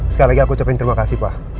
sekali lagi aku ucapin terima kasih pak